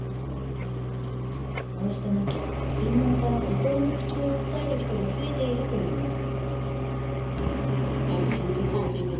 こうした中、専門家は心の不調を訴える人が増えているといいます。